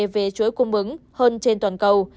về chuối cung ứng hơn trên toàn cầu